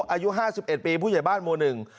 อายุ๕๑ปีผู้ไหนบ้านมหนึ่ง